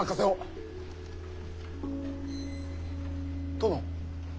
殿？